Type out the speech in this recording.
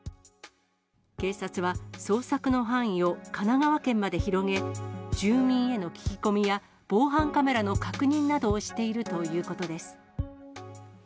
警察は捜索の範囲を神奈川県まで広げ、住民への聞き込みや、防犯カメラの確認などをしているということです。